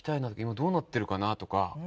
今どうなってるかな？とか。